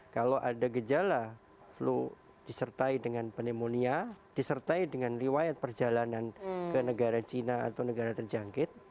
kalau ada gejala flu disertai dengan pneumonia disertai dengan riwayat perjalanan ke negara cina atau negara terjangkit